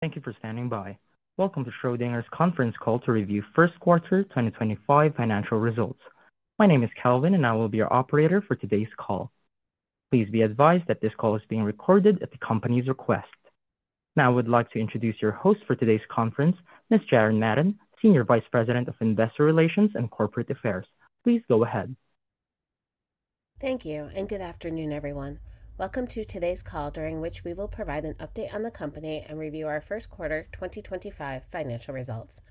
Thank you for standing by. Welcome to Schrödinger's conference call to review first quarter 2025 financial results. My name is Calvin, and I will be your operator for today's call. Please be advised that this call is being recorded at the company's request. Now, I would like to introduce your host for today's conference, Ms. Jaren Madden, Senior Vice President of Investor Relations and Corporate Affairs. Please go ahead. Thank you, and good afternoon, everyone. Welcome to today's call, during which we will provide an update on the company and review our first quarter 2025 financial results.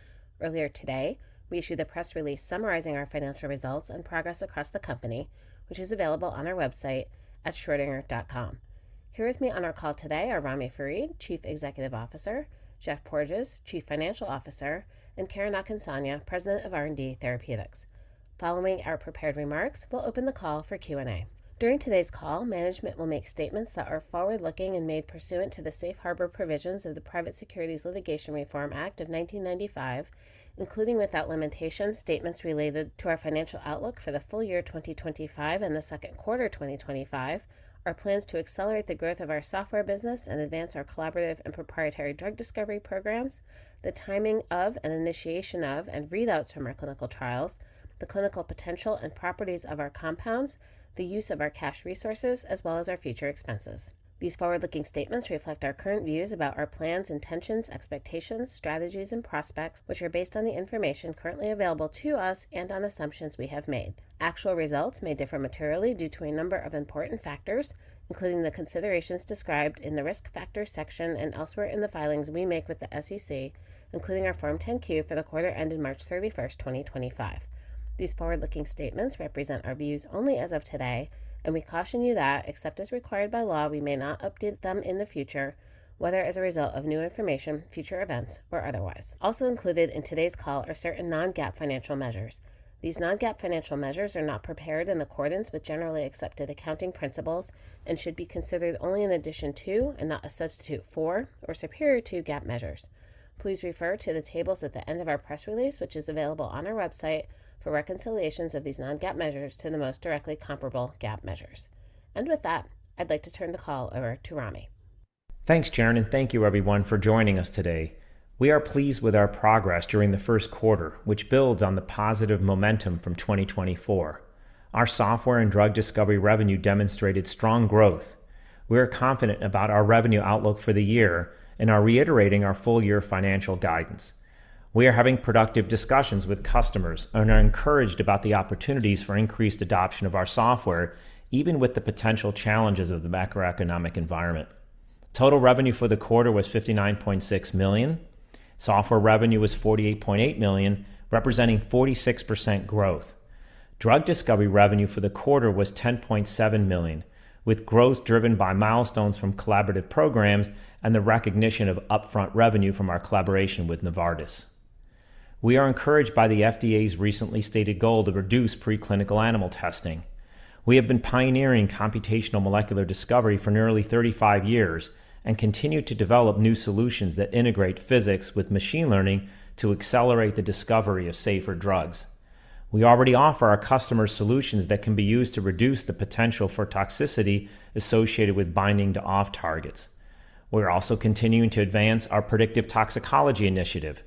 Earlier today, we issued a press release summarizing our financial results and progress across the company, which is available on our website at schrodinger.com. Here with me on our call today are Ramy Farid, Chief Executive Officer, Geoff Porges, Chief Financial Officer, and Karen Akinsanya, President of R&D Therapeutics. Following our prepared remarks, we'll open the call for Q&A. During today's call, management will make statements that are forward-looking and made pursuant to the Safe Harbor Provisions of the Private Securities Litigation Reform Act of 1995, including without limitation statements related to our financial outlook for the full year 2025 and the second quarter 2025, our plans to accelerate the growth of our software business and advance our collaborative and proprietary drug discovery programs, the timing of and initiation of, and readouts from our clinical trials, the clinical potential and properties of our compounds, the use of our cash resources, as well as our future expenses. These forward-looking statements reflect our current views about our plans, intentions, expectations, strategies, and prospects, which are based on the information currently available to us and on assumptions we have made. Actual results may differ materially due to a number of important factors, including the considerations described in the risk factor section and elsewhere in the filings we make with the SEC, including our Form 10-Q for the quarter ending March 31, 2025. These forward-looking statements represent our views only as of today, and we caution you that, except as required by law, we may not update them in the future, whether as a result of new information, future events, or otherwise. Also included in today's call are certain non-GAAP financial measures. These non-GAAP financial measures are not prepared in accordance with generally accepted accounting principles and should be considered only in addition to, and not a substitute for, or superior to GAAP measures. Please refer to the tables at the end of our press release, which is available on our website, for reconciliations of these non-GAAP measures to the most directly comparable GAAP measures. With that, I'd like to turn the call over to Ramy. Thanks, Jaren, and thank you, everyone, for joining us today. We are pleased with our progress during the first quarter, which builds on the positive momentum from 2024. Our software and drug discovery revenue demonstrated strong growth. We are confident about our revenue outlook for the year and are reiterating our full-year financial guidance. We are having productive discussions with customers and are encouraged about the opportunities for increased adoption of our software, even with the potential challenges of the macroeconomic environment. Total revenue for the quarter was $59.6 million. Software revenue was $48.8 million, representing 46% growth. Drug discovery revenue for the quarter was $10.7 million, with growth driven by milestones from collaborative programs and the recognition of upfront revenue from our collaboration with Novartis. We are encouraged by the FDA's recently stated goal to reduce preclinical animal testing. We have been pioneering computational molecular discovery for nearly 35 years and continue to develop new solutions that integrate physics with machine learning to accelerate the discovery of safer drugs. We already offer our customers solutions that can be used to reduce the potential for toxicity associated with binding to off-targets. We're also continuing to advance our predictive toxicology initiative.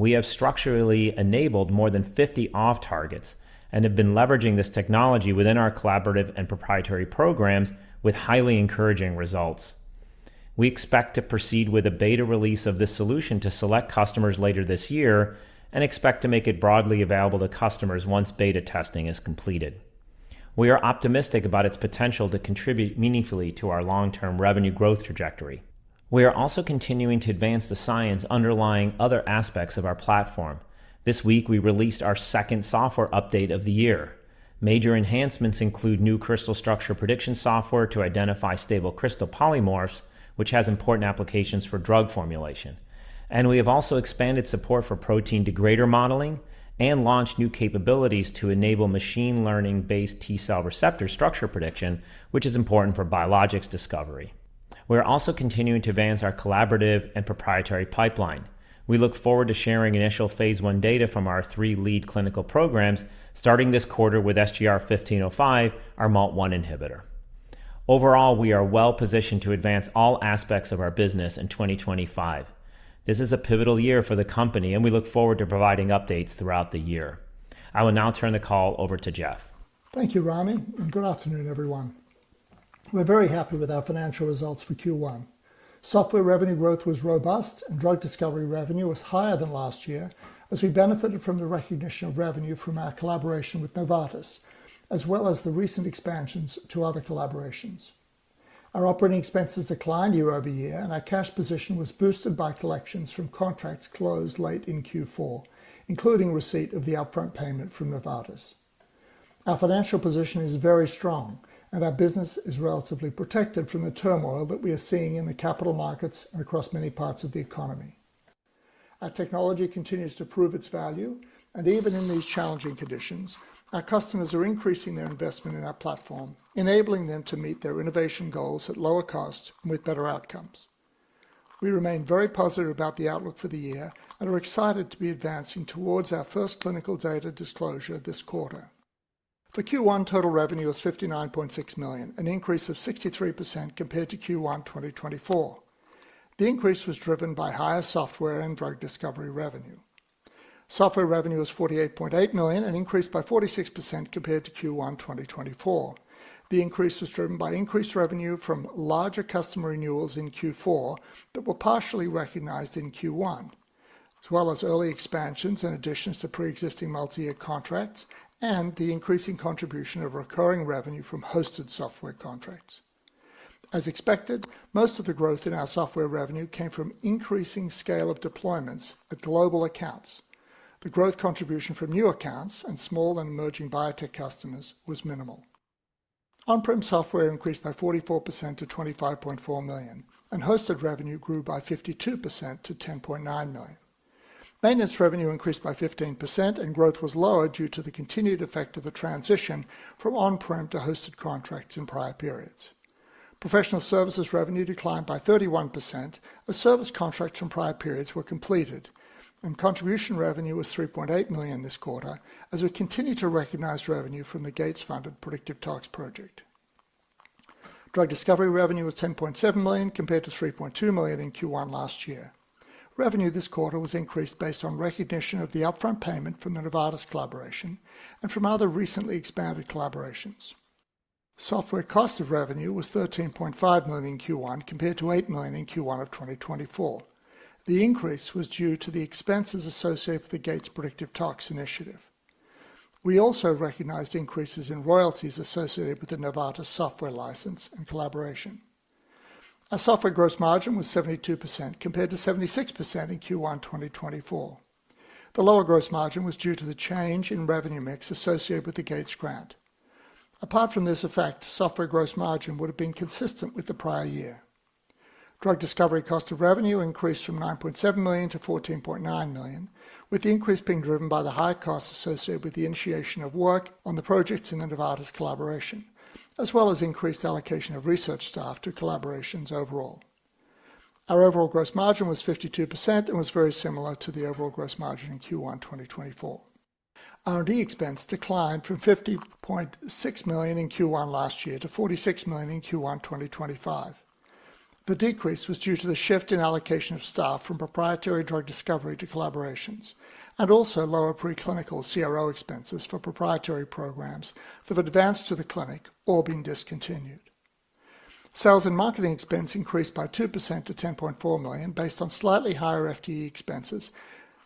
We have structurally enabled more than 50 off-targets and have been leveraging this technology within our collaborative and proprietary programs with highly encouraging results. We expect to proceed with a beta release of this solution to select customers later this year and expect to make it broadly available to customers once beta testing is completed. We are optimistic about its potential to contribute meaningfully to our long-term revenue growth trajectory. We are also continuing to advance the science underlying other aspects of our platform. This week, we released our second software update of the year. Major enhancements include new crystal structure prediction software to identify stable crystal polymorphs, which has important applications for drug formulation. We have also expanded support for protein degrader modeling and launched new capabilities to enable machine learning-based T-cell receptor structure prediction, which is important for biologics discovery. We are also continuing to advance our collaborative and proprietary pipeline. We look forward to sharing initial phase I data from our three lead clinical programs, starting this quarter with SGR-1505, our MALT-1 inhibitor. Overall, we are well positioned to advance all aspects of our business in 2025. This is a pivotal year for the company, and we look forward to providing updates throughout the year. I will now turn the call over to Geoff. Thank you, Ramy, and good afternoon, everyone. We're very happy with our financial results for Q1. Software revenue growth was robust, and drug discovery revenue was higher than last year as we benefited from the recognition of revenue from our collaboration with Novartis, as well as the recent expansions to other collaborations. Our operating expenses declined year-over-year, and our cash position was boosted by collections from contracts closed late in Q4, including receipt of the upfront payment from Novartis. Our financial position is very strong, and our business is relatively protected from the turmoil that we are seeing in the capital markets and across many parts of the economy. Our technology continues to prove its value, and even in these challenging conditions, our customers are increasing their investment in our platform, enabling them to meet their innovation goals at lower costs and with better outcomes. We remain very positive about the outlook for the year and are excited to be advancing towards our first clinical data disclosure this quarter. For Q1, total revenue was $59.6 million, an increase of 63% compared to Q1 2024. The increase was driven by higher software and drug discovery revenue. Software revenue was $48.8 million, an increase by 46% compared to Q1 2024. The increase was driven by increased revenue from larger customer renewals in Q4 that were partially recognized in Q1, as well as early expansions and additions to pre-existing multi-year contracts and the increasing contribution of recurring revenue from hosted software contracts. As expected, most of the growth in our software revenue came from increasing scale of deployments at global accounts. The growth contribution from new accounts and small and emerging biotech customers was minimal. On-prem software increased by 44% to $25.4 million, and hosted revenue grew by 52% to $10.9 million. Maintenance revenue increased by 15%, and growth was lower due to the continued effect of the transition from on-prem to hosted contracts in prior periods. Professional services revenue declined by 31% as service contracts from prior periods were completed, and contribution revenue was $3.8 million this quarter as we continue to recognize revenue from the Gates-funded predictive toxicology project. Drug discovery revenue was $10.7 million compared to $3.2 million in Q1 last year. Revenue this quarter was increased based on recognition of the upfront payment from the Novartis collaboration and from other recently expanded collaborations. Software cost of revenue was $13.5 million in Q1 compared to $8 million in Q1 of 2024. The increase was due to the expenses associated with the Gates predictive toxicology initiative. We also recognized increases in royalties associated with the Novartis software license and collaboration. Our software gross margin was 72% compared to 76% in Q1 2024. The lower gross margin was due to the change in revenue mix associated with the Gates grant. Apart from this effect, software gross margin would have been consistent with the prior year. Drug discovery cost of revenue increased from $9.7 million to $14.9 million, with the increase being driven by the high cost associated with the initiation of work on the projects in the Novartis collaboration, as well as increased allocation of research staff to collaborations overall. Our overall gross margin was 52% and was very similar to the overall gross margin in Q1 2024. R&D expense declined from $50.6 million in Q1 last year to $46 million in Q1 2025. The decrease was due to the shift in allocation of staff from proprietary drug discovery to collaborations and also lower preclinical CRO expenses for proprietary programs that have advanced to the clinic or been discontinued. Sales and marketing expense increased by 2% to $10.4 million based on slightly higher FTE expenses.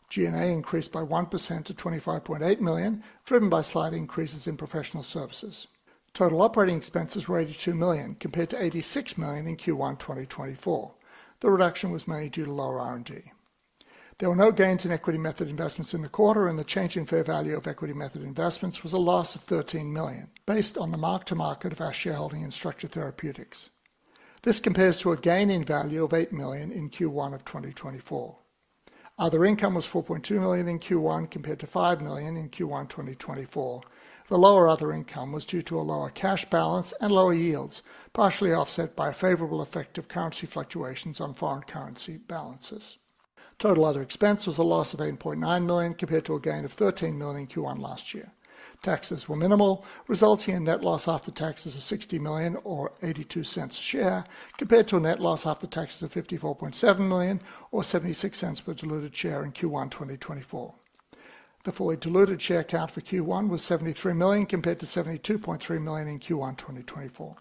G&A increased by 1% to $25.8 million, driven by slight increases in professional services. Total operating expenses were $82 million compared to $86 million in Q1 2024. The reduction was mainly due to lower R&D. There were no gains in equity method investments in the quarter, and the change in fair value of equity method investments was a loss of $13 million based on the mark-to-market of our shareholding in Structure Therapeutics. This compares to a gain in value of $8 million in Q1 of 2024. Other income was $4.2 million in Q1 compared to $5 million in Q1 2024. The lower other income was due to a lower cash balance and lower yields, partially offset by favorable effect of currency fluctuations on foreign currency balances. Total other expense was a loss of $8.9 million compared to a gain of $13 million in Q1 last year. Taxes were minimal, resulting in net loss after taxes of $60 million or $0.82 a share compared to a net loss after taxes of $54.7 million or $0.76 per diluted share in Q1 2024. The fully diluted share count for Q1 was 73 million compared to 72.3 million in Q1 2024.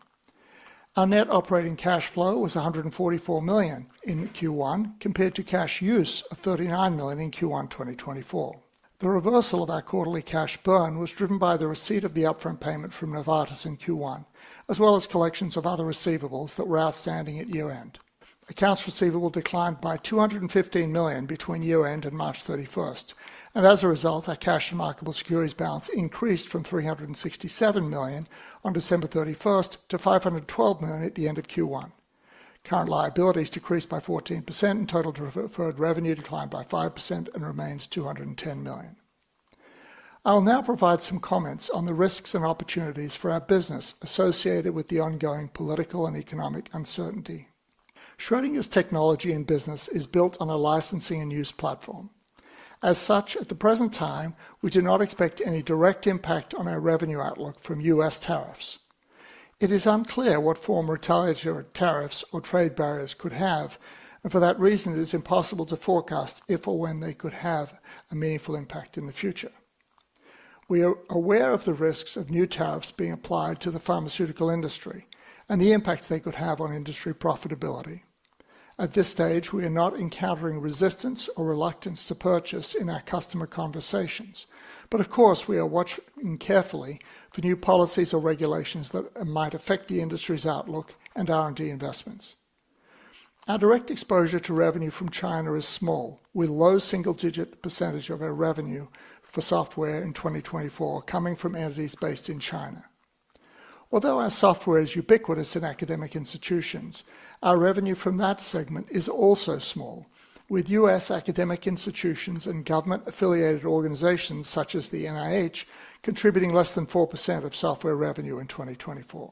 Our net operating cash flow was $144 million in Q1 compared to cash use of $39 million in Q1 2024. The reversal of our quarterly cash burn was driven by the receipt of the upfront payment from Novartis in Q1, as well as collections of other receivables that were outstanding at year-end. Accounts receivable declined by $215 million between year-end and March 31, and as a result, our cash and marketable securities balance increased from $367 million on December 31 to $512 million at the end of Q1. Current liabilities decreased by 14%, and total deferred revenue declined by 5% and remains $210 million. I will now provide some comments on the risks and opportunities for our business associated with the ongoing political and economic uncertainty. Schrödinger's technology and business is built on a licensing and use platform. As such, at the present time, we do not expect any direct impact on our revenue outlook from U.S. tariffs. It is unclear what form retaliatory tariffs or trade barriers could have, and for that reason, it is impossible to forecast if or when they could have a meaningful impact in the future. We are aware of the risks of new tariffs being applied to the pharmaceutical industry and the impact they could have on industry profitability. At this stage, we are not encountering resistance or reluctance to purchase in our customer conversations, but of course, we are watching carefully for new policies or regulations that might affect the industry's outlook and R&D investments. Our direct exposure to revenue from China is small, with a low single-digit % of our revenue for software in 2024 coming from entities based in China. Although our software is ubiquitous in academic institutions, our revenue from that segment is also small, with U.S. academic institutions and government-affiliated organizations such as the NIH contributing less than 4% of software revenue in 2024.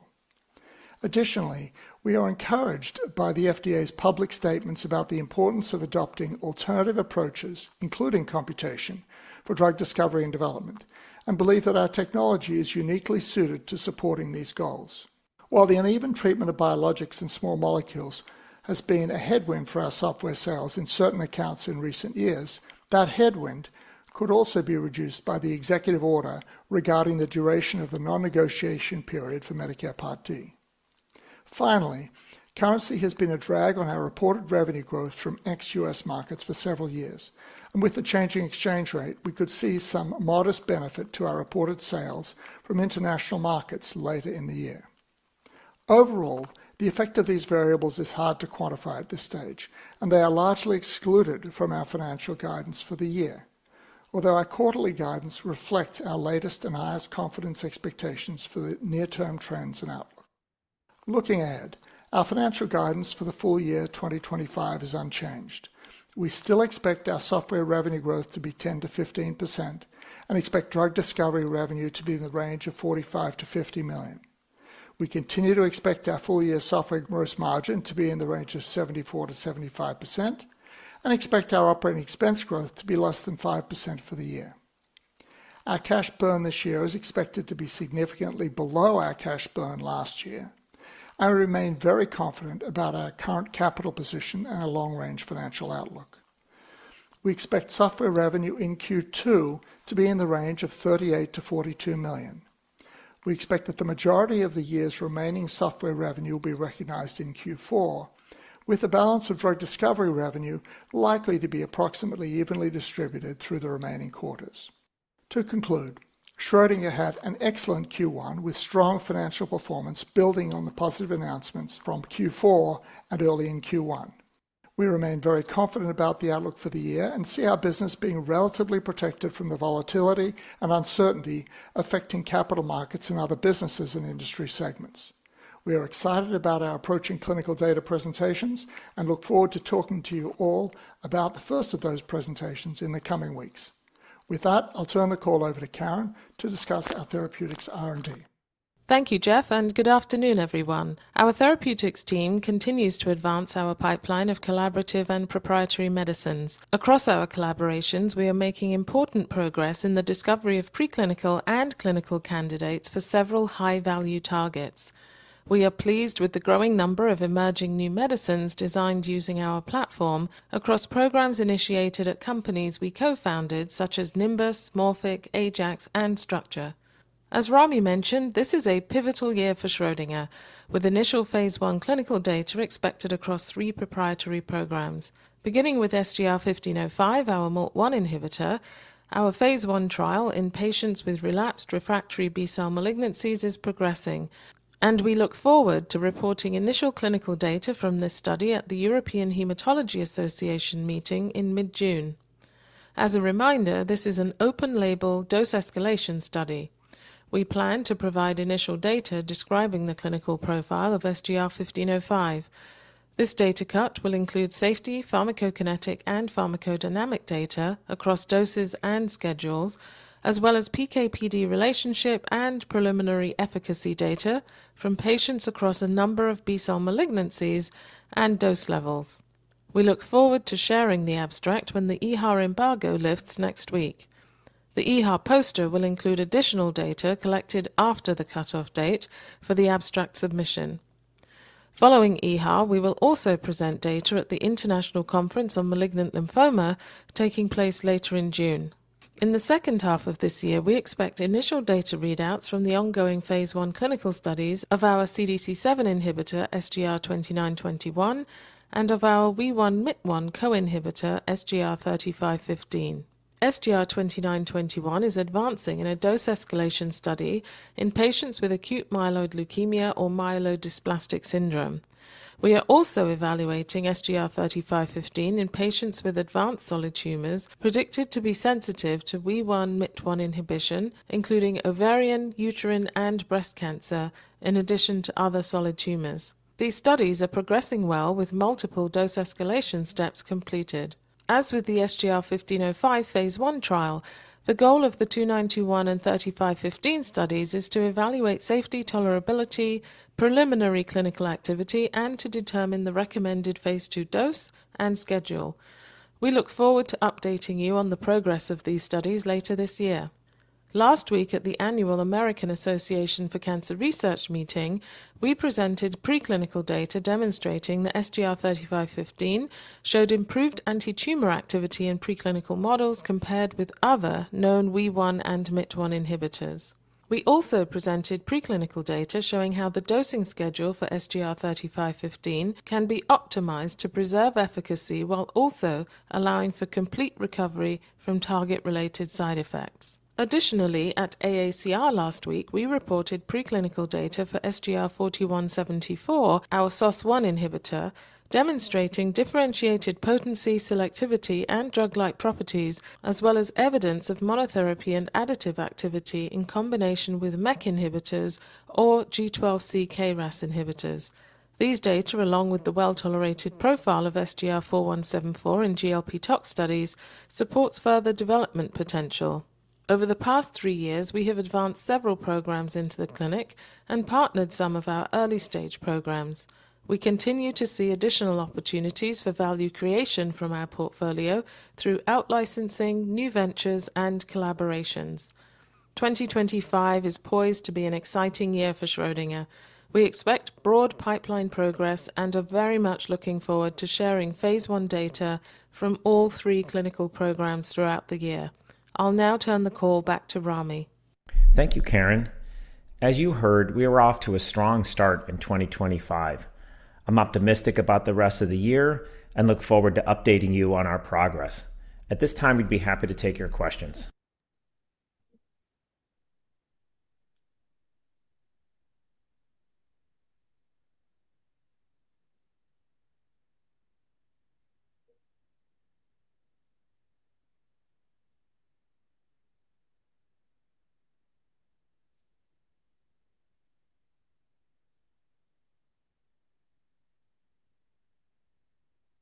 Additionally, we are encouraged by the FDA's public statements about the importance of adopting alternative approaches, including computation, for drug discovery and development, and believe that our technology is uniquely suited to supporting these goals. While the uneven treatment of biologics and small molecules has been a headwind for our software sales in certain accounts in recent years, that headwind could also be reduced by the executive order regarding the duration of the non-negotiation period for Medicare Part D. Finally, currency has been a drag on our reported revenue growth from ex-U.S. markets for several years, and with the changing exchange rate, we could see some modest benefit to our reported sales from international markets later in the year. Overall, the effect of these variables is hard to quantify at this stage, and they are largely excluded from our financial guidance for the year, although our quarterly guidance reflects our latest and highest confidence expectations for the near-term trends and outlook. Looking ahead, our financial guidance for the full year 2025 is unchanged. We still expect our software revenue growth to be 10%-15% and expect drug discovery revenue to be in the range of $45 million-$50 million. We continue to expect our full-year software gross margin to be in the range of 74%-75% and expect our operating expense growth to be less than 5% for the year. Our cash burn this year is expected to be significantly below our cash burn last year. I remain very confident about our current capital position and our long-range financial outlook. We expect software revenue in Q2 to be in the range of $38 million-$42 million. We expect that the majority of the year's remaining software revenue will be recognized in Q4, with the balance of drug discovery revenue likely to be approximately evenly distributed through the remaining quarters. To conclude, Schrödinger had an excellent Q1 with strong financial performance building on the positive announcements from Q4 and early in Q1. We remain very confident about the outlook for the year and see our business being relatively protected from the volatility and uncertainty affecting capital markets and other businesses and industry segments. We are excited about our approaching clinical data presentations and look forward to talking to you all about the first of those presentations in the coming weeks. With that, I'll turn the call over to Karen to discuss our therapeutics R&D. Thank you, Geoff, and good afternoon, everyone. Our therapeutics team continues to advance our pipeline of collaborative and proprietary medicines. Across our collaborations, we are making important progress in the discovery of preclinical and clinical candidates for several high-value targets. We are pleased with the growing number of emerging new medicines designed using our platform across programs initiated at companies we co-founded, such as Nimbus, Morphic, Ajax, and Structure. As Ramy mentioned, this is a pivotal year for Schrödinger, with initial phase I clinical data expected across three proprietary programs. Beginning with SGR-1505, our MALT-1 inhibitor, our phase I trial in patients with relapsed refractory B-cell malignancies is progressing, and we look forward to reporting initial clinical data from this study at the European Hematology Association meeting in mid-June. As a reminder, this is an open-label dose escalation study. We plan to provide initial data describing the clinical profile of SGR-1505. This data cut will include safety, pharmacokinetic, and pharmacodynamic data across doses and schedules, as well as PK/PD relationship and preliminary efficacy data from patients across a number of B-cell malignancies and dose levels. We look forward to sharing the abstract when the EHA embargo lifts next week. The EHA poster will include additional data collected after the cutoff date for the abstract submission. Following EHA, we will also present data at the International Conference on Malignant Lymphoma, taking place later in June. In the second half of this year, we expect initial data readouts from the ongoing phase I clinical studies of our CDC7 inhibitor SGR-2921 and of our Wee1/Myt1 co-inhibitor SGR-3515. SGR-2921 is advancing in a dose escalation study in patients with acute myeloid leukemia or myelodysplastic syndrome. We are also evaluating SGR-3515 in patients with advanced solid tumors predicted to be sensitive to Wee1/Myt1 inhibition, including ovarian, uterine, and breast cancer, in addition to other solid tumors. These studies are progressing well, with multiple dose escalation steps completed. As with the SGR-1505 phase I trial, the goal of the 2921 and 3515 studies is to evaluate safety, tolerability, preliminary clinical activity, and to determine the recommended phase II dose and schedule. We look forward to updating you on the progress of these studies later this year. Last week, at the annual American Association for Cancer Research meeting, we presented preclinical data demonstrating that SGR-3515 showed improved anti-tumor activity in preclinical models compared with other known Wee1 and Myt1 inhibitors. We also presented preclinical data showing how the dosing schedule for SGR-3515 can be optimized to preserve efficacy while also allowing for complete recovery from target-related side effects. Additionally, at AACR last week, we reported preclinical data for SGR-4174, our SOS1 inhibitor, demonstrating differentiated potency, selectivity, and drug-like properties, as well as evidence of monotherapy and additive activity in combination with MEK inhibitors or G12C KRAS inhibitors. These data, along with the well-tolerated profile of SGR-4174 in GLP-tox studies, support further development potential. Over the past three years, we have advanced several programs into the clinic and partnered some of our early-stage programs. We continue to see additional opportunities for value creation from our portfolio through outlicensing, new ventures, and collaborations. 2025 is poised to be an exciting year for Schrödinger. We expect broad pipeline progress and are very much looking forward to sharing phase I data from all three clinical programs throughout the year. I'll now turn the call back to Ramy. Thank you, Karen. As you heard, we are off to a strong start in 2025. I'm optimistic about the rest of the year and look forward to updating you on our progress. At this time, we'd be happy to take your questions.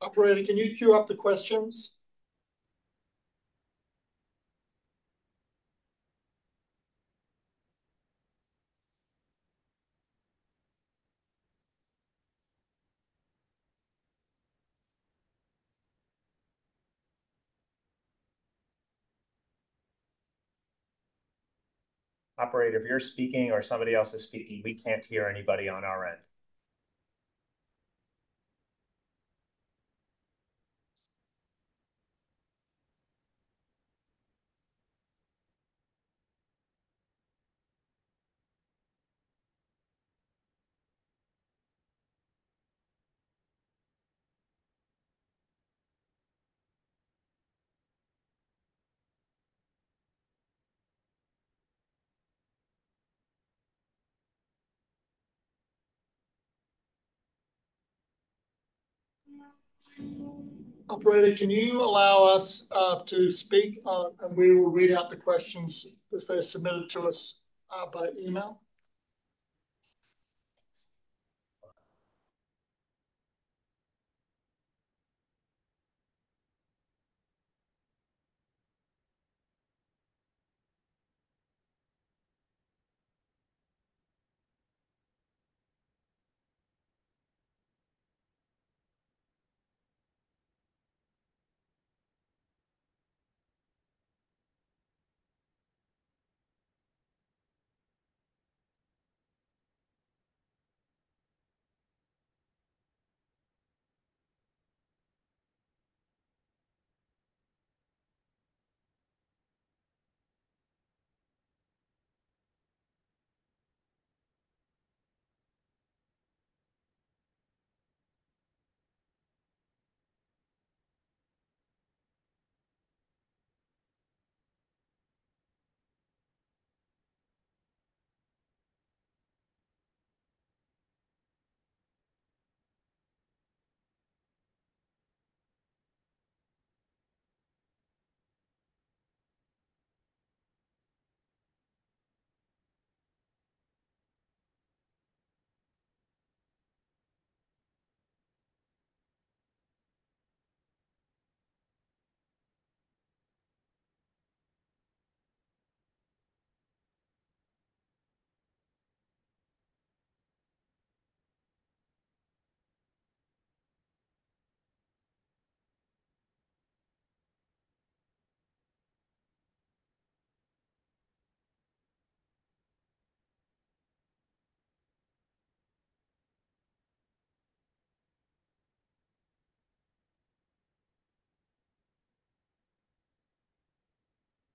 Operating, can you queue up the questions? Operator, if you're speaking or somebody else is speaking, we can't hear anybody on our end. Operator, can you allow us to speak, and we will read out the questions as they're submitted to us by email?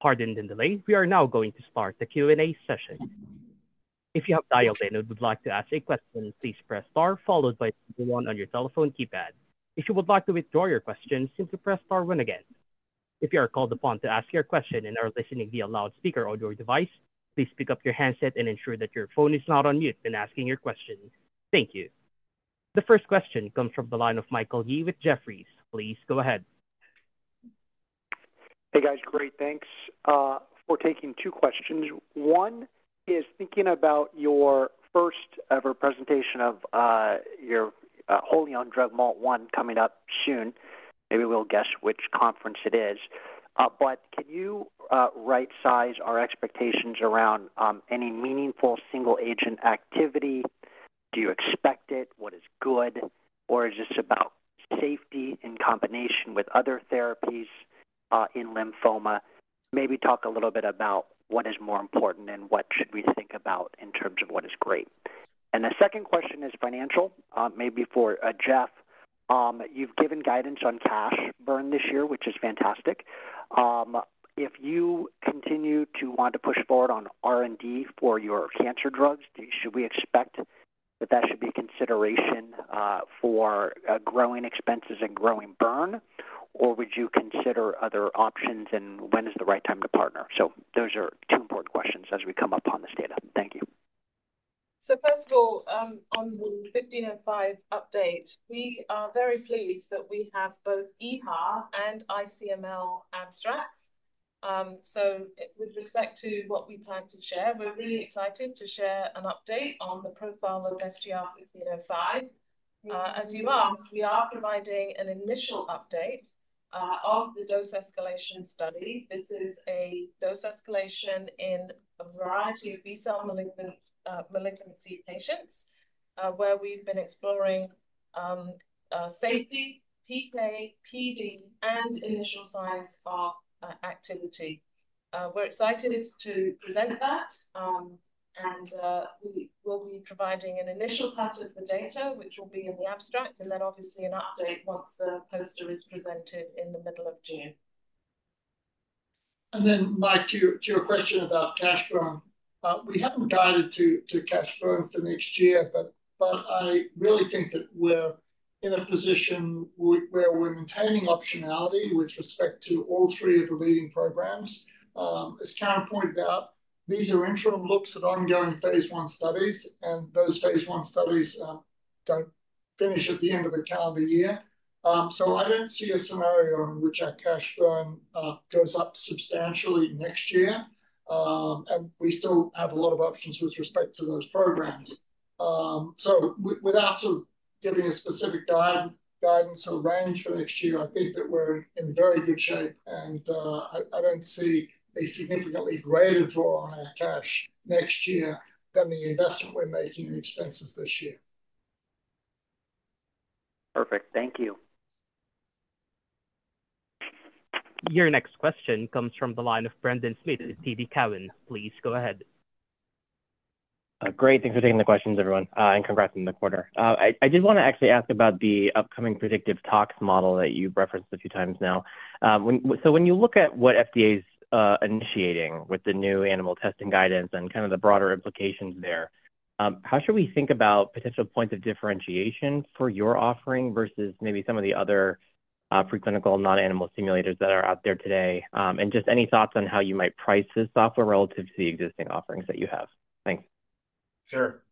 Pardon the delay. We are now going to start the Q&A session. If you have dialed in and would like to ask a question, please press star followed by the number one on your telephone keypad. If you would like to withdraw your question, simply press star one again. If you are called upon to ask your question and are listening via loudspeaker on your device, please pick up your handset and ensure that your phone is not on mute when asking your question. Thank you. The first question comes from the line of Michael Yee with Jefferies. Please go ahead. Hey, guys. Great. Thanks for taking two questions. One is thinking about your first-ever presentation of your wholly owned drug MALT-1 coming up soon. Maybe we'll guess which conference it is. Can you right-size our expectations around any meaningful single-agent activity? Do you expect it? What is good? Is this about safety in combination with other therapies in lymphoma? Maybe talk a little bit about what is more important and what should we think about in terms of what is great. The second question is financial, maybe for Geoff. You've given guidance on cash burn this year, which is fantastic. If you continue to want to push forward on R&D for your cancer drugs, should we expect that that should be a consideration for growing expenses and growing burn? Would you consider other options, and when is the right time to partner? Those are two important questions as we come up on this data. Thank you. First of all, on the 1505 update, we are very pleased that we have both EHAR and ICML abstracts. With respect to what we plan to share, we're really excited to share an update on the profile of SGR-1505. As you asked, we are providing an initial update of the dose escalation study. This is a dose escalation in a variety of B-cell malignancy patients where we've been exploring safety, PK, PD, and initial signs of activity. We're excited to present that, and we will be providing an initial cut of the data, which will be in the abstract, and then obviously an update once the poster is presented in the middle of June. Mike, to your question about cash burn, we have not guided to cash burn for next year, but I really think that we are in a position where we are maintaining optionality with respect to all three of the leading programs. As Karen pointed out, these are interim looks at ongoing phase I studies, and those phase I studies do not finish at the end of the calendar year. I do not see a scenario in which our cash burn goes up substantially next year, and we still have a lot of options with respect to those programs. Without sort of giving a specific guidance or range for next year, I think that we are in very good shape, and I do not see a significantly greater draw on our cash next year than the investment we are making in expenses this year. Perfect. Thank you. Your next question comes from the line of Brendan Smith at TD Cowen. Please go ahead. Great. Thanks for taking the questions, everyone, and congrats in the corner. I did want to actually ask about the upcoming predictive tox model that you've referenced a few times now. When you look at what FDA's initiating with the new animal testing guidance and kind of the broader implications there, how should we think about potential points of differentiation for your offering versus maybe some of the other preclinical non-animal stimulators that are out there today? Any thoughts on how you might price this software relative to the existing offerings that you have? Thanks. Sure.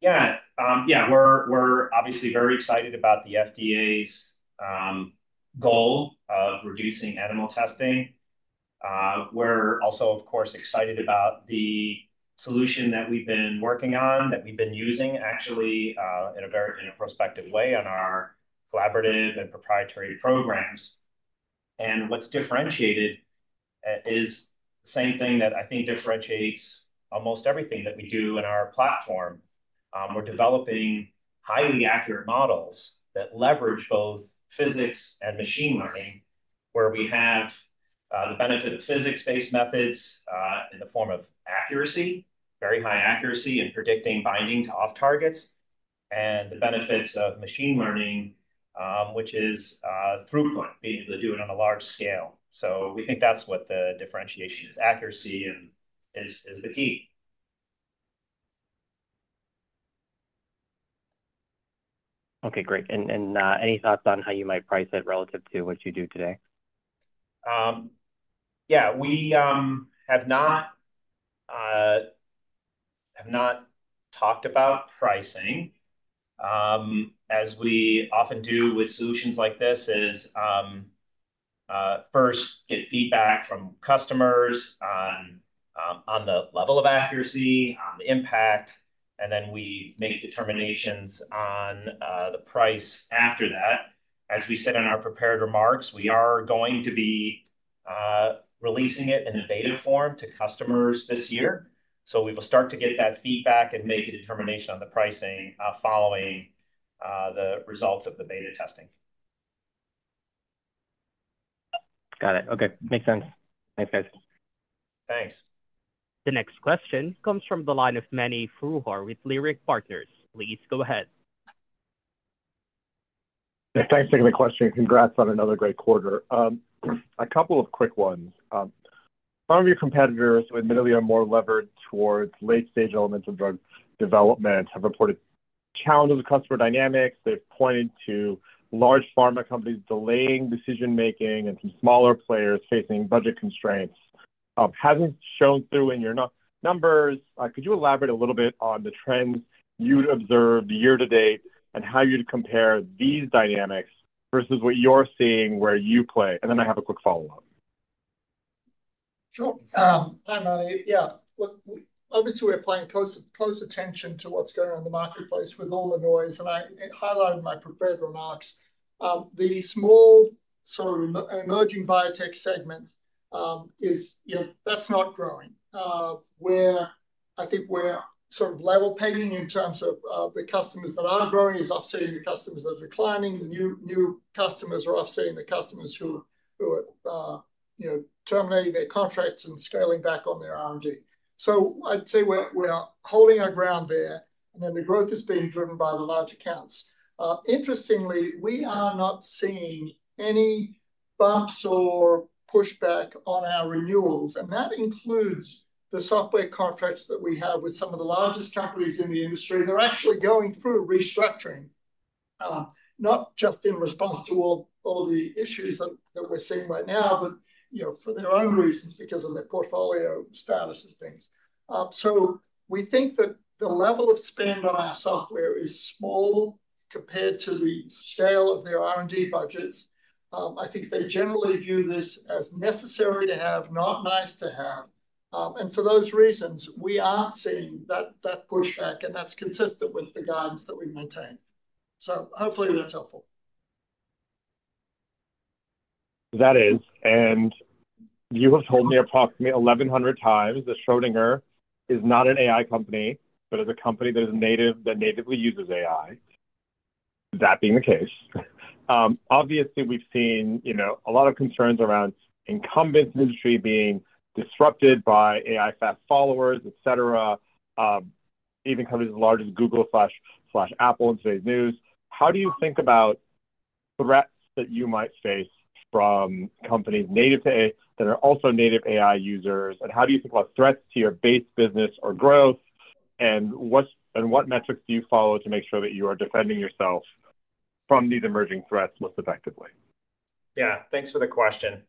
Yeah. We're obviously very excited about the FDA's goal of reducing animal testing. We're also, of course, excited about the solution that we've been working on, that we've been using actually in a prospective way on our collaborative and proprietary programs. What's differentiated is the same thing that I think differentiates almost everything that we do in our platform. We're developing highly accurate models that leverage both physics and machine learning, where we have the benefit of physics-based methods in the form of accuracy, very high accuracy in predicting binding to off-targets, and the benefits of machine learning, which is throughput, being able to do it on a large scale. We think that's what the differentiation is. Accuracy is the key. Okay. Great. Any thoughts on how you might price it relative to what you do today? Yeah. We have not talked about pricing. As we often do with solutions like this, is first get feedback from customers on the level of accuracy, on the impact, and then we make determinations on the price after that. As we said in our prepared remarks, we are going to be releasing it in a beta form to customers this year. We will start to get that feedback and make a determination on the pricing following the results of the beta testing. Got it. Okay. Makes sense. Thanks, guys. Thanks. The next question comes from the line of Mani Foroohar with Leerink Partners. Please go ahead. Thanks for the question. Congrats on another great quarter. A couple of quick ones. Some of your competitors admittedly are more levered towards late-stage elements of drug development, have reported challenges with customer dynamics. They've pointed to large pharma companies delaying decision-making and some smaller players facing budget constraints. Hasn't shown through in your numbers. Could you elaborate a little bit on the trends you'd observed year to date and how you'd compare these dynamics versus what you're seeing where you play? I have a quick follow-up. Sure. Hi, Mani. Yeah. Obviously, we're paying close attention to what's going on in the marketplace with all the noise. I highlighted in my prepared remarks the small sort of emerging biotech segment, that's not growing. I think we're sort of level-pegging in terms of the customers that are growing is offsetting the customers that are declining. The new customers are offsetting the customers who are terminating their contracts and scaling back on their R&D. I'd say we're holding our ground there, and the growth is being driven by the large accounts. Interestingly, we are not seeing any bumps or pushback on our renewals. That includes the software contracts that we have with some of the largest companies in the industry. They're actually going through restructuring, not just in response to all the issues that we're seeing right now, but for their own reasons because of their portfolio status and things. We think that the level of spend on our software is small compared to the scale of their R&D budgets. I think they generally view this as necessary to have, not nice to have. For those reasons, we aren't seeing that pushback, and that's consistent with the guidance that we maintain. Hopefully, that's helpful. That is. You have told me approximately 1,100 times that Schrödinger is not an AI company, but is a company that natively uses AI. That being the case, obviously, we have seen a lot of concerns around incumbents' industry being disrupted by AI fast followers, etc., even companies as large as Google/Apple in today's news. How do you think about threats that you might face from companies native to AI that are also native AI users? How do you think about threats to your base business or growth? What metrics do you follow to make sure that you are defending yourself from these emerging threats most effectively? Yeah. Thanks for the question.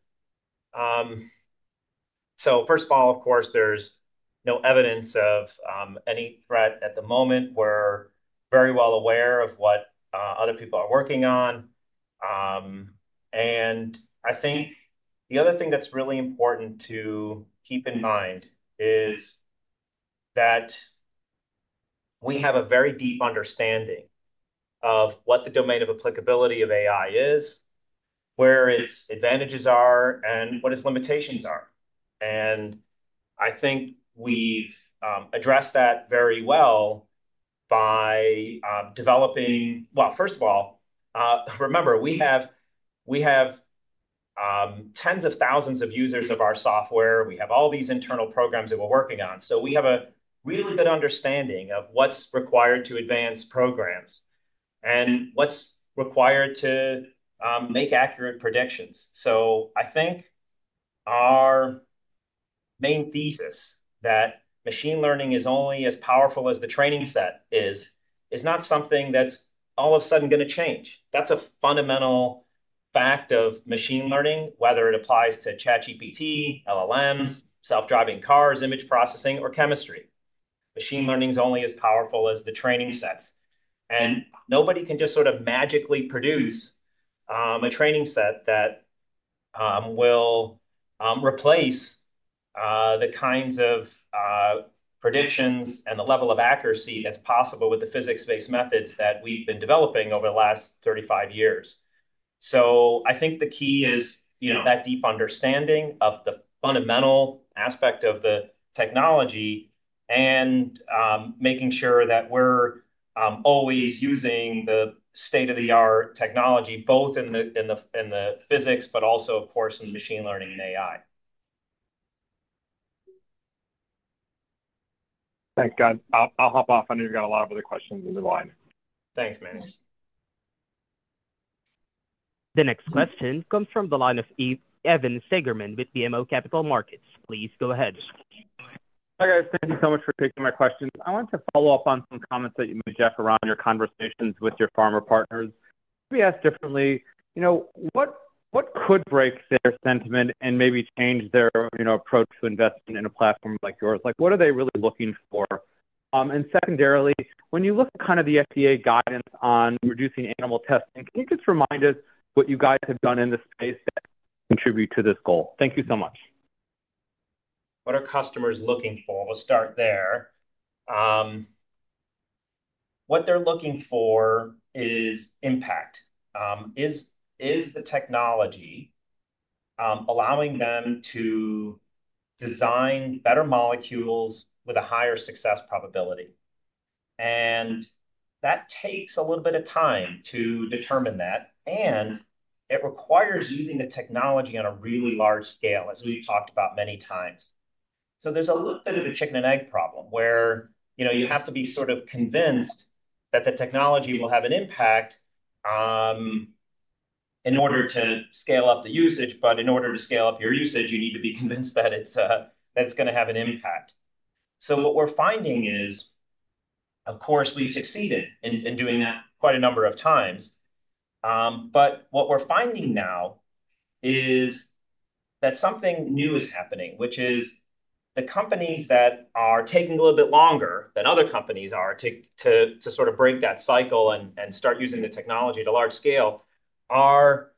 First of all, of course, there's no evidence of any threat at the moment. We're very well aware of what other people are working on. I think the other thing that's really important to keep in mind is that we have a very deep understanding of what the domain of applicability of AI is, where its advantages are, and what its limitations are. I think we've addressed that very well by developing—first of all, remember, we have tens of thousands of users of our software. We have all these internal programs that we're working on. We have a really good understanding of what's required to advance programs and what's required to make accurate predictions. I think our main thesis that machine learning is only as powerful as the training set is, is not something that's all of a sudden going to change. That's a fundamental fact of machine learning, whether it applies to ChatGPT, LLMs, self-driving cars, image processing, or chemistry. Machine learning is only as powerful as the training sets. Nobody can just sort of magically produce a training set that will replace the kinds of predictions and the level of accuracy that's possible with the physics-based methods that we've been developing over the last 35 years. I think the key is that deep understanding of the fundamental aspect of the technology and making sure that we're always using the state-of-the-art technology, both in the physics, but also, of course, in machine learning and AI. Thanks, guys. I'll hop off. I know you've got a lot of other questions in the line. Thanks, Mani. The next question comes from the line of Evan Seigerman with BMO Capital Markets. Please go ahead. Hi, guys. Thank you so much for taking my questions. I want to follow up on some comments that you made, Geoff, around your conversations with your pharma partners. Let me ask differently. What could break their sentiment and maybe change their approach to investing in a platform like yours? What are they really looking for? Secondarily, when you look at kind of the FDA guidance on reducing animal testing, can you just remind us what you guys have done in this space that contributes to this goal? Thank you so much. What are customers looking for? We'll start there. What they're looking for is impact. Is the technology allowing them to design better molecules with a higher success probability? That takes a little bit of time to determine that, and it requires using the technology on a really large scale, as we've talked about many times. There is a little bit of a chicken-and-egg problem where you have to be sort of convinced that the technology will have an impact in order to scale up the usage, but in order to scale up your usage, you need to be convinced that it's going to have an impact. What we're finding is, of course, we've succeeded in doing that quite a number of times, but what we're finding now is that something new is happening, which is the companies that are taking a little bit longer than other companies are to sort of break that cycle and start using the technology at a large scale are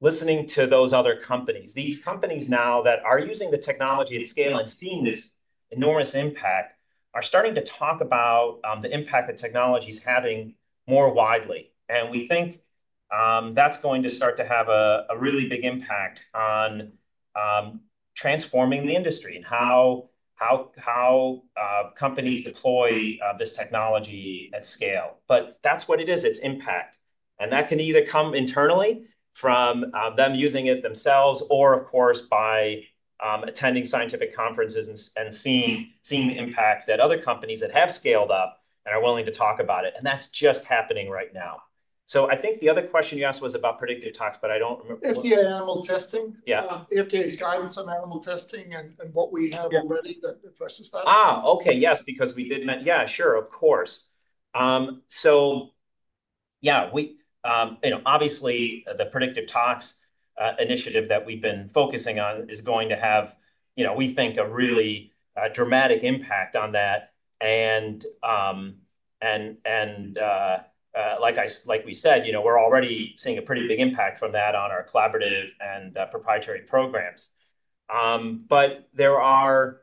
listening to those other companies. These companies now that are using the technology at scale and seeing this enormous impact are starting to talk about the impact that technology is having more widely. We think that's going to start to have a really big impact on transforming the industry and how companies deploy this technology at scale. That's what it is. It's impact. That can either come internally from them using it themselves or, of course, by attending scientific conferences and seeing the impact that other companies that have scaled up and are willing to talk about it. That is just happening right now. I think the other question you asked was about predictive tox, but I do not remember. FDA animal testing? Yeah. FDA's guidance on animal testing and what we have already that refreshes that? Oh, okay. Yes, because we didn't—yeah, sure, of course. Yes, obviously, the predictive tox initiative that we've been focusing on is going to have, we think, a really dramatic impact on that. Like we said, we're already seeing a pretty big impact from that on our collaborative and proprietary programs. There are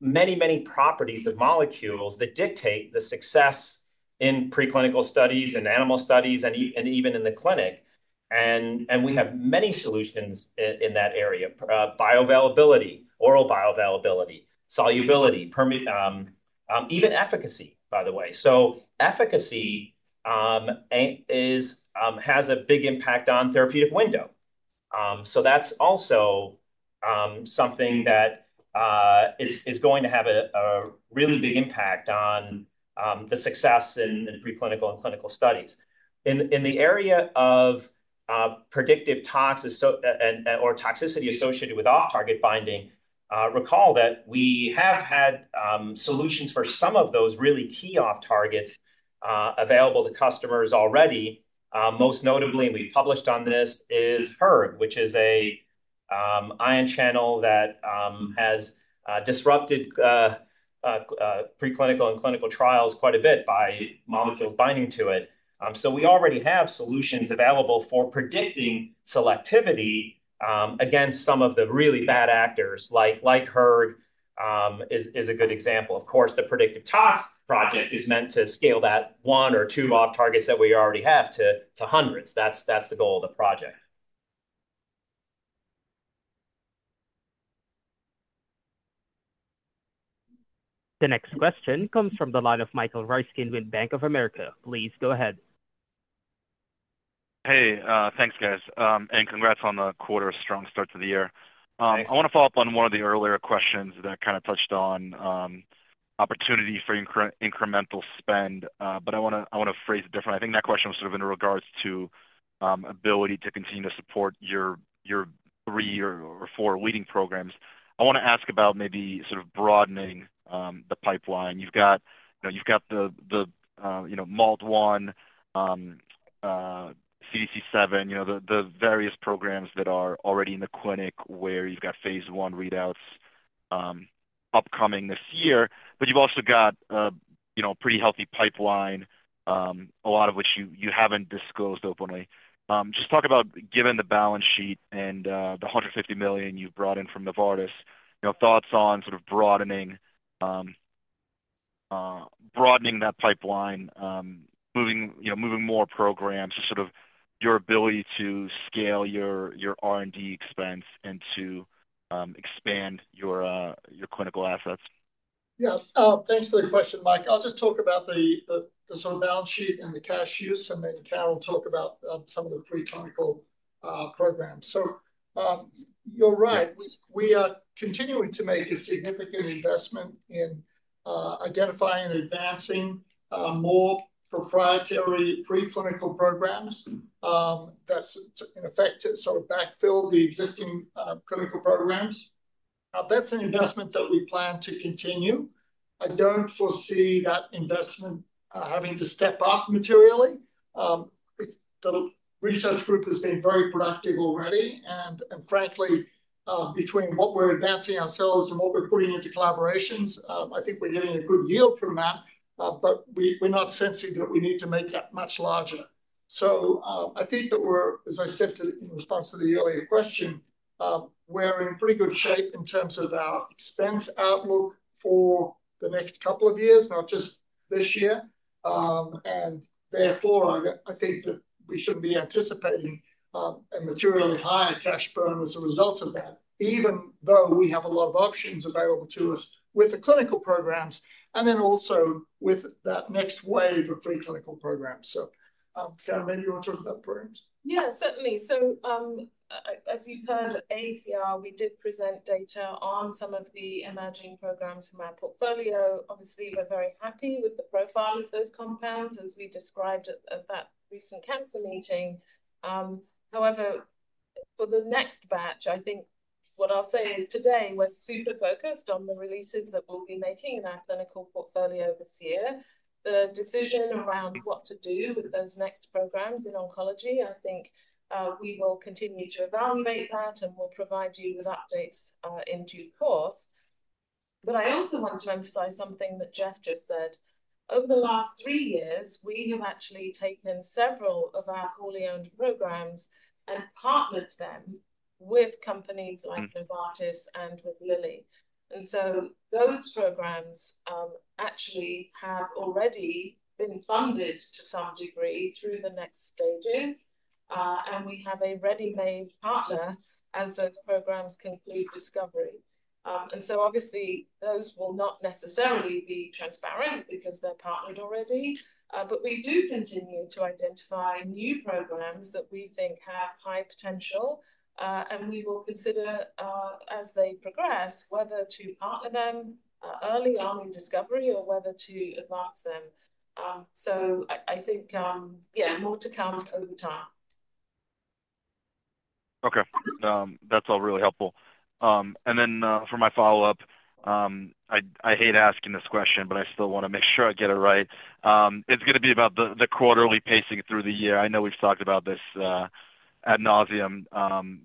many, many properties of molecules that dictate the success in preclinical studies and animal studies and even in the clinic. We have many solutions in that area: bioavailability, oral bioavailability, solubility, even efficacy, by the way. Efficacy has a big impact on therapeutic window. That is also something that is going to have a really big impact on the success in preclinical and clinical studies. In the area of predictive tox or toxicity associated with off-target binding, recall that we have had solutions for some of those really key off-targets available to customers already. Most notably, and we published on this, is hERG, which is an ion channel that has disrupted preclinical and clinical trials quite a bit by molecules binding to it. We already have solutions available for predicting selectivity against some of the really bad actors, like hERG is a good example. Of course, the predictive tox project is meant to scale that one or two off-targets that we already have to hundreds. That is the goal of the project. The next question comes from the line of Michael Ryskin with Bank of America. Please go ahead. Hey, thanks, guys. Congrats on the quarter's strong start to the year. I want to follow up on one of the earlier questions that kind of touched on opportunity for incremental spend, but I want to phrase it differently. I think that question was sort of in regards to ability to continue to support your three or four leading programs. I want to ask about maybe sort of broadening the pipeline. You've got the MALT-1, CDC7, the various programs that are already in the clinic where you've got phase I readouts upcoming this year, but you've also got a pretty healthy pipeline, a lot of which you haven't disclosed openly. Just talk about, given the balance sheet and the $150 million you've brought in from Novartis, thoughts on sort of broadening that pipeline, moving more programs to sort of your ability to scale your R&D expense and to expand your clinical assets? Yeah. Thanks for the question, Mike. I'll just talk about the sort of balance sheet and the cash use, and then Carol will talk about some of the preclinical programs. You're right. We are continuing to make a significant investment in identifying and advancing more proprietary preclinical programs that, in effect, sort of backfill the existing clinical programs. That's an investment that we plan to continue. I don't foresee that investment having to step up materially. The research group has been very productive already. Frankly, between what we're advancing ourselves and what we're putting into collaborations, I think we're getting a good yield from that, but we're not sensing that we need to make that much larger. I think that we're, as I said in response to the earlier question, we're in pretty good shape in terms of our expense outlook for the next couple of years, not just this year. Therefore, I think that we shouldn't be anticipating a materially higher cash burn as a result of that, even though we have a lot of options available to us with the clinical programs and then also with that next wave of preclinical programs. Karen, maybe you want to talk about the programs? Yeah, certainly. As you've heard, at AACR, we did present data on some of the emerging programs from our portfolio. Obviously, we're very happy with the profile of those compounds, as we described at that recent cancer meeting. However, for the next batch, I think what I'll say is today, we're super focused on the releases that we'll be making in our clinical portfolio this year. The decision around what to do with those next programs in oncology, I think we will continue to evaluate that, and we'll provide you with updates in due course. I also want to emphasize something that Geoff just said. Over the last three years, we have actually taken several of our wholly owned programs and partnered them with companies like Novartis and with Lilly. Those programs actually have already been funded to some degree through the next stages, and we have a ready-made partner as those programs conclude discovery. Obviously, those will not necessarily be transparent because they're partnered already, but we do continue to identify new programs that we think have high potential, and we will consider, as they progress, whether to partner them early on in discovery or whether to advance them. I think, yeah, more to come over time. Okay. That's all really helpful. For my follow-up, I hate asking this question, but I still want to make sure I get it right. It's going to be about the quarterly pacing through the year. I know we've talked about this ad nauseam,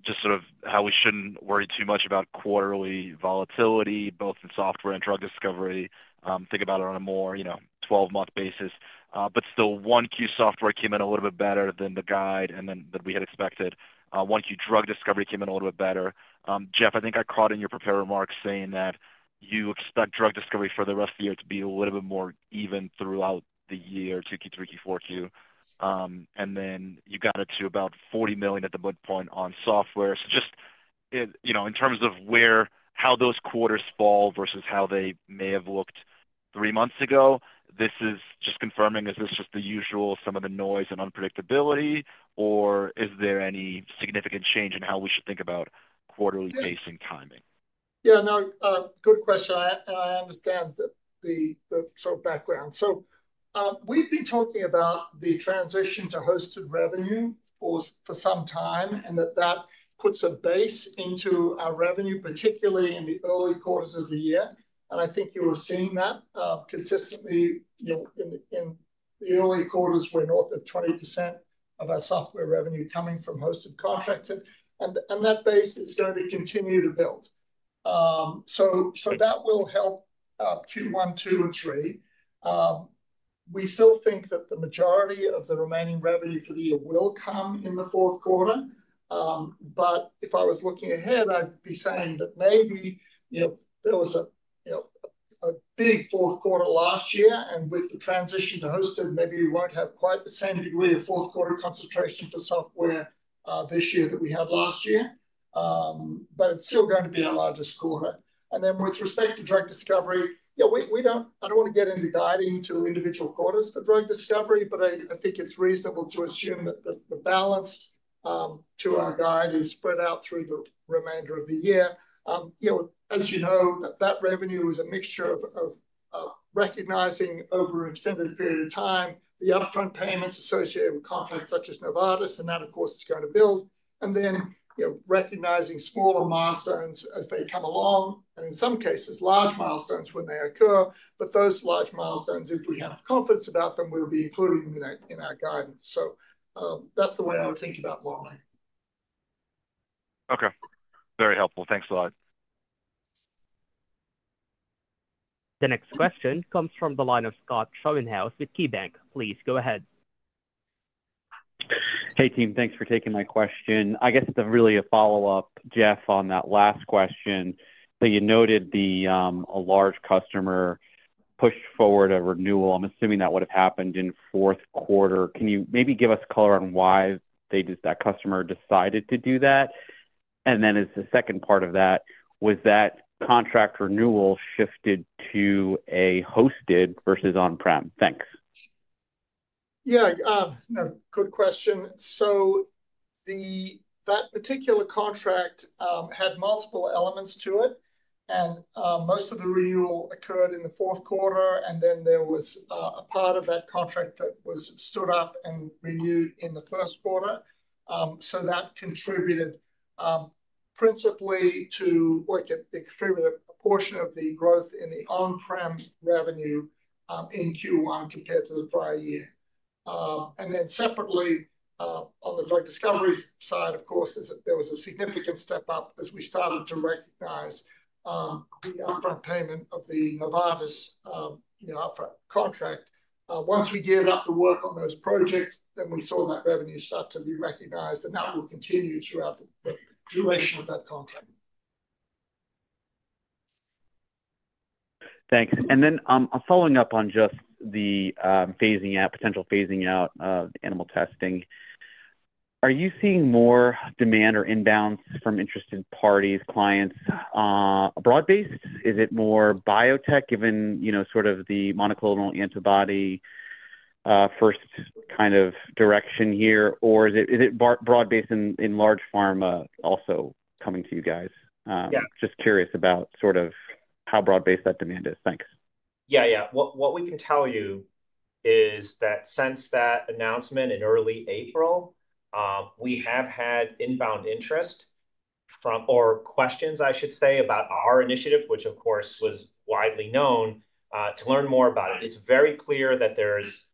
just sort of how we shouldn't worry too much about quarterly volatility, both in software and drug discovery. Think about it on a more 12-month basis. Still, 1Q software came in a little bit better than the guide and than we had expected. 1Q drug discovery came in a little bit better. Geoff, I think I caught in your prepared remarks saying that you expect drug discovery for the rest of the year to be a little bit more even throughout the year, 2Q, 3Q, 4Q. You guided to about $40 million at the midpoint on software. Just in terms of how those quarters fall versus how they may have looked three months ago, this is just confirming, is this just the usual, some of the noise and unpredictability, or is there any significant change in how we should think about quarterly pacing timing? Yeah. No, good question. I understand the sort of background. We've been talking about the transition to hosted revenue for some time, and that puts a base into our revenue, particularly in the early quarters of the year. I think you were seeing that consistently in the early quarters were north of 20% of our software revenue coming from hosted contracts. That base is going to continue to build. That will help Q1, 2, and 3. We still think that the majority of the remaining revenue for the year will come in the fourth quarter. If I was looking ahead, I'd be saying that maybe there was a big fourth quarter last year, and with the transition to hosted, maybe we won't have quite the same degree of fourth quarter concentration for software this year that we had last year. It is still going to be our largest quarter. With respect to drug discovery, yeah, I do not want to get into guiding to individual quarters for drug discovery, but I think it is reasonable to assume that the balance to our guide is spread out through the remainder of the year. As you know, that revenue is a mixture of recognizing over an extended period of time the upfront payments associated with contracts such as Novartis, and that, of course, is going to build. Recognizing smaller milestones as they come along, and in some cases, large milestones when they occur. Those large milestones, if we have confidence about them, we will be including in our guidance. That is the way I would think about it. Okay. Very helpful. Thanks a lot. The next question comes from the line of Scott Schoenhaus with KeyBanc. Please go ahead. Hey, team. Thanks for taking my question. I guess it's really a follow-up, Geoff, on that last question. You noted a large customer pushed forward a renewal. I'm assuming that would have happened in fourth quarter. Can you maybe give us color on why that customer decided to do that? As the second part of that, was that contract renewal shifted to a hosted versus on-prem? Thanks. Yeah. Good question. That particular contract had multiple elements to it. Most of the renewal occurred in the fourth quarter, and there was a part of that contract that was stood up and renewed in the first quarter. That contributed principally to, well, it contributed a portion of the growth in the on-prem revenue in Q1 compared to the prior year. Separately, on the drug discovery side, of course, there was a significant step up as we started to recognize the upfront payment of the Novartis upfront contract. Once we geared up the work on those projects, we saw that revenue start to be recognized, and that will continue throughout the duration of that contract. Thanks. Following up on just the potential phasing out of animal testing, are you seeing more demand or inbounds from interested parties, clients, broad-based? Is it more biotech, given sort of the monoclonal antibody first kind of direction here? Is it broad-based in large pharma also coming to you guys? Just curious about sort of how broad-based that demand is. Thanks. Yeah, yeah. What we can tell you is that since that announcement in early April, we have had inbound interest or questions, I should say, about our initiative, which, of course, was widely known, to learn more about it. It's very clear that there's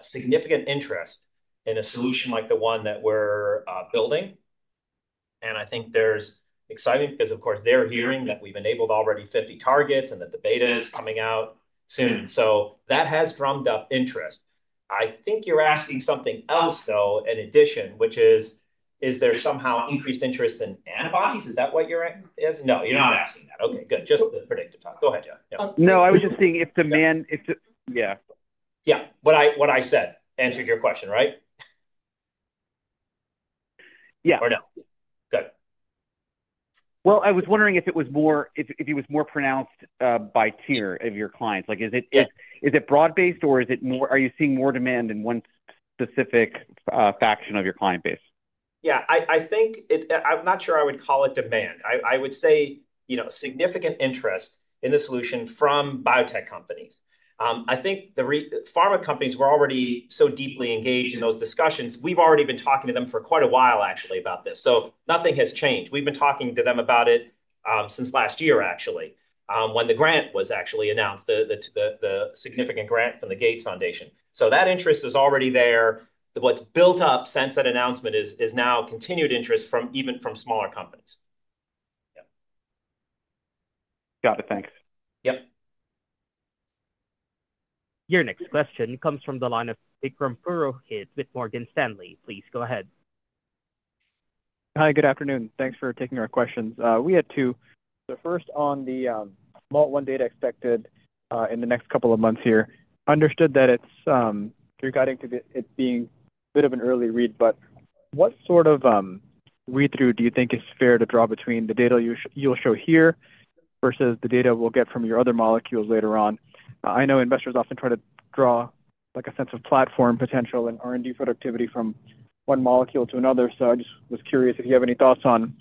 significant interest in a solution like the one that we're building. I think there's excitement because, of course, they're hearing that we've enabled already 50 targets and that the beta is coming out soon. That has drummed up interest. I think you're asking something else though, in addition, which is, is there somehow increased interest in antibodies? Is that what you're asking? No, you're not asking that. Okay. Good. Just the predictive talk. Go ahead, Geoff. No, I was just seeing if demand, yeah. Yeah. What I said answered your question, right? Yeah. Or no? Good. I was wondering if it was more pronounced by tier of your clients. Is it broad-based, or are you seeing more demand in one specific faction of your client base? Yeah. I'm not sure I would call it demand. I would say significant interest in the solution from biotech companies. I think the pharma companies were already so deeply engaged in those discussions. We've already been talking to them for quite a while, actually, about this. Nothing has changed. We've been talking to them about it since last year, actually, when the grant was actually announced, the significant grant from the Gates Foundation. That interest is already there. What's built up since that announcement is now continued interest even from smaller companies. Yeah. Got it. Thanks. Yep. Your next question comes from the line of Vikram Purohit with Morgan Stanley. Please go ahead. Hi. Good afternoon. Thanks for taking our questions. We had two. First, on the small one data expected in the next couple of months here, understood that it's regarding to it being a bit of an early read, but what sort of read-through do you think is fair to draw between the data you'll show here versus the data we'll get from your other molecules later on? I know investors often try to draw a sense of platform potential and R&D productivity from one molecule to another. I just was curious if you have any thoughts on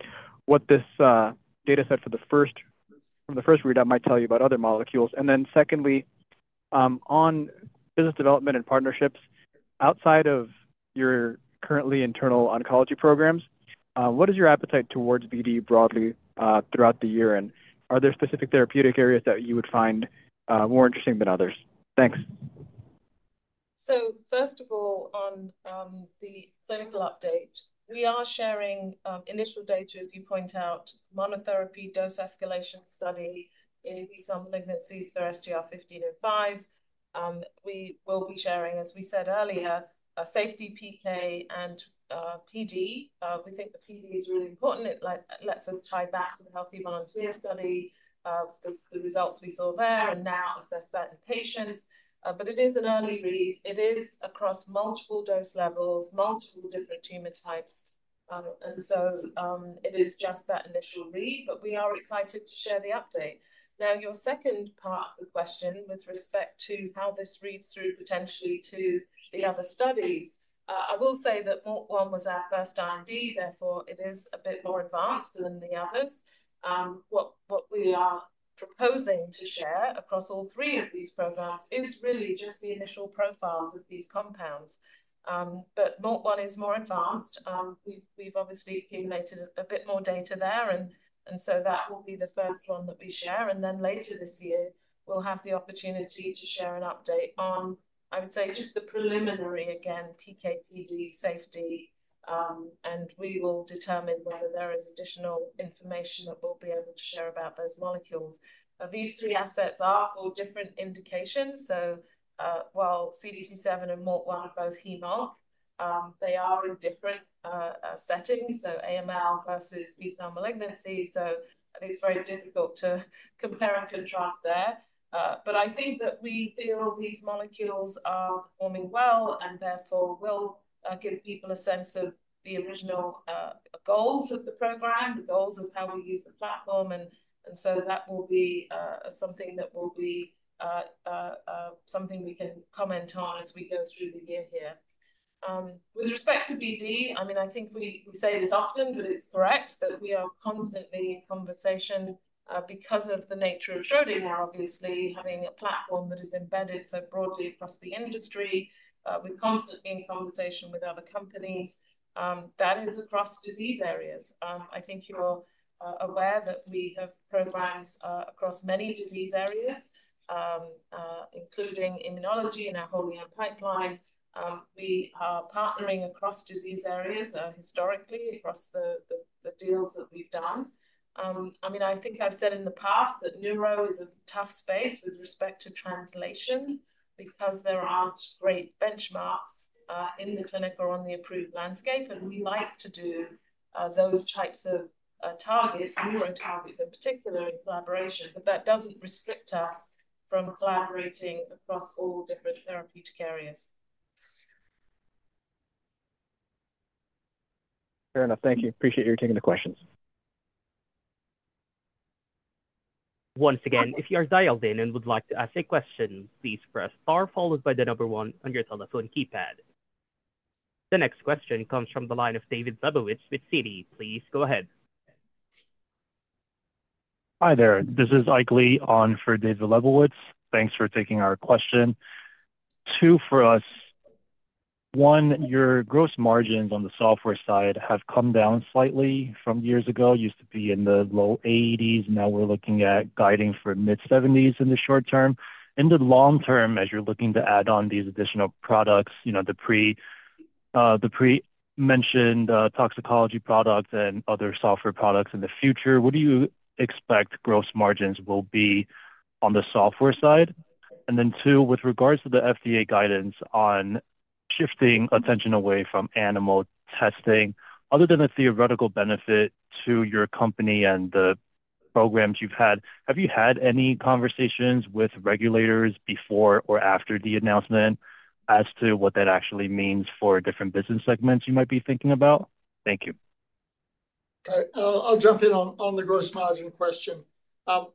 what this data set from the first read might tell you about other molecules. Secondly, on business development and partnerships outside of your currently internal oncology programs, what is your appetite towards BD broadly throughout the year? Are there specific therapeutic areas that you would find more interesting than others? Thanks. First of all, on the clinical update, we are sharing initial data, as you point out, monotherapy dose escalation study in B-cell malignancies for SGR-1505. We will be sharing, as we said earlier, safety, PK, and PD. We think the PD is really important. It lets us tie back to the healthy volunteer study, the results we saw there, and now assess that in patients. It is an early read. It is across multiple dose levels, multiple different tumor types. It is just that initial read, but we are excited to share the update. Your second part of the question with respect to how this reads through potentially to the other studies, I will say that MALT-1 was our first R&D. Therefore, it is a bit more advanced than the others. What we are proposing to share across all three of these programs is really just the initial profiles of these compounds. MALT-1 is more advanced. We've obviously accumulated a bit more data there. That will be the first one that we share. Later this year, we'll have the opportunity to share an update on, I would say, just the preliminary, again, PK, PD, safety. We will determine whether there is additional information that we'll be able to share about those molecules. These three assets are for different indications. While CDC7 and MALT-1 are both hemo, they are in different settings. AML versus B-cell malignancy. It's very difficult to compare and contrast there. I think that we feel these molecules are performing well and therefore will give people a sense of the original goals of the program, the goals of how we use the platform. That will be something we can comment on as we go through the year here. With respect to BD, I mean, I think we say this often, but it's correct that we are constantly in conversation because of the nature of Schrödinger, obviously, having a platform that is embedded so broadly across the industry. We're constantly in conversation with other companies. That is across disease areas. I think you're aware that we have programs across many disease areas, including immunology and our whole line pipeline. We are partnering across disease areas historically across the deals that we've done. I mean, I think I've said in the past that neuro is a tough space with respect to translation because there aren't great benchmarks in the clinic or on the approved landscape. We like to do those types of targets, neuro targets in particular, in collaboration. That doesn't restrict us from collaborating across all different therapeutic areas. Fair enough. Thank you. Appreciate your taking the questions. Once again, if you are dialed in and would like to ask a question, please press star followed by the number one on your telephone keypad. The next question comes from the line of David Lebowitz with Citi. Please go ahead. Hi there. This is Ike Lee on for David Lebowitz. Thanks for taking our question. Two for us. One, your gross margins on the software side have come down slightly from years ago. Used to be in the low 80s. Now we're looking at guiding for mid-70s in the short term. In the long term, as you're looking to add on these additional products, the pre-mentioned toxicology products and other software products in the future, what do you expect gross margins will be on the software side? Two, with regards to the FDA guidance on shifting attention away from animal testing, other than the theoretical benefit to your company and the programs you've had, have you had any conversations with regulators before or after the announcement as to what that actually means for different business segments you might be thinking about? Thank you. Okay. I'll jump in on the gross margin question.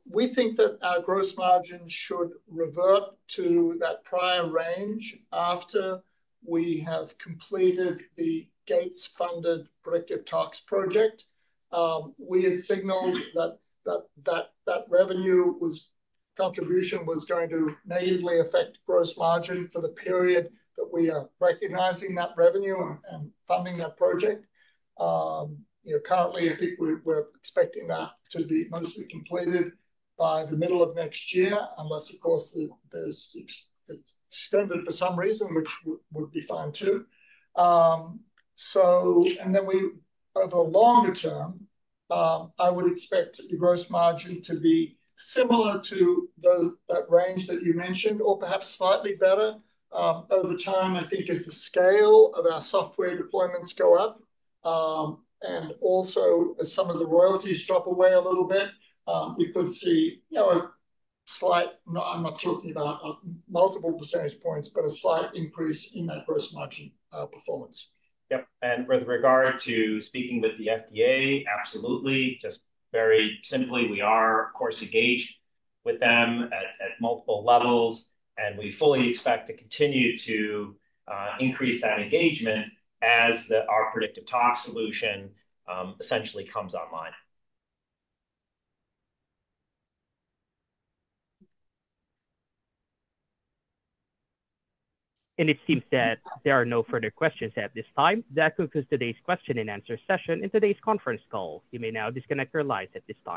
We think that our gross margin should revert to that prior range after we have completed the Gates-funded predictive tox project. We had signaled that that revenue contribution was going to negatively affect gross margin for the period, but we are recognizing that revenue and funding that project. Currently, I think we're expecting that to be mostly completed by the middle of next year, unless, of course, it's extended for some reason, which would be fine too. Over the longer term, I would expect the gross margin to be similar to that range that you mentioned or perhaps slightly better over time. I think, as the scale of our software deployments go up and also as some of the royalties drop away a little bit, you could see a slight—I am not talking about multiple percentage points, but a slight increase in that gross margin performance. Yep. With regard to speaking with the FDA, absolutely. Just very simply, we are, of course, engaged with them at multiple levels, and we fully expect to continue to increase that engagement as our predictive tox solution essentially comes online. It seems that there are no further questions at this time. That concludes today's question and answer session and today's conference call. You may now disconnect or relax at this time.